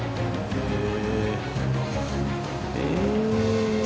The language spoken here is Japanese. へえ！